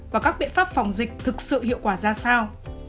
và các biện pháp phòng dịch thực sự hiệu quả ra sao